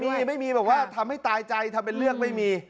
มีไม่มีบอกว่าทำให้ตายใจทำเป็นเรื่องไม่มี